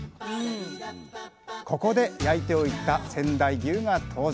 ここで焼いておいた仙台牛が登場